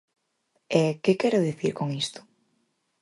E ¿que quero dicir con isto?